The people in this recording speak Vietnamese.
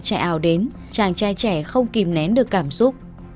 chạy áo đến chàng trai trẻ không kìm nén được cảm xúc